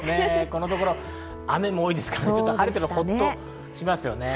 このところ、雨も多いですから晴れてると、ほっとしますね。